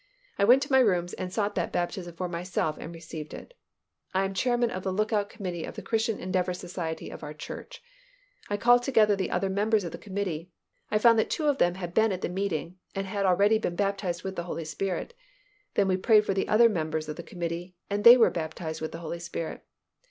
I went to my rooms and sought that baptism for myself and received it. I am chairman of the Lookout Committee of the Christian Endeavour Society of our church. I called together the other members of the committee. I found that two of them had been at the meeting and had already been baptized with the Holy Spirit. Then we prayed for the other members of the committee and they were baptized with the Holy Spirit.